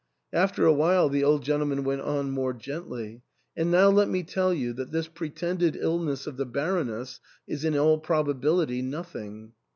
After a w^hile the old gentleman went on more gently, " And now let me tell you that this pretended illness of the Baroness is in all probability nothing.